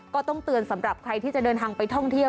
ก็ต้องเตือนสำหรับใครที่จะเดินทางไปท่องเที่ยว